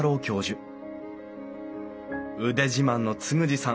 腕自慢の嗣二さん